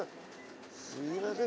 すいません